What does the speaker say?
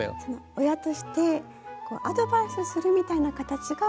親としてアドバイスするみたいな形がいいんでしょうか？